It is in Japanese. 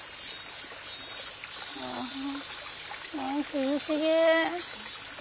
涼しげ。